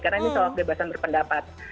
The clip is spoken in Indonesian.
karena ini soal kebebasan berpendapat